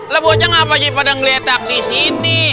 lah buatnya ngapain pada ngeletak disini